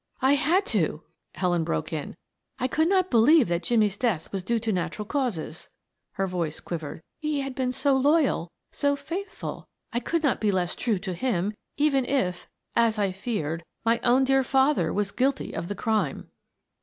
"I had to," Helen broke in. "I could not believe that Jimmie's death was due to natural causes," her voice quivered. "He had been so loyal so faithful I could not be less true to him, even if, as I feared, my own dear father was guilty of the crime."